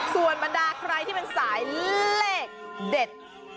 ส่วนบรรดาใครที่เป็นสายเลขเด็ด